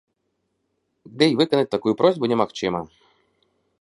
Ды і выканаць такую просьбу немагчыма.